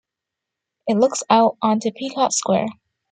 It looks out onto Pecaut Square.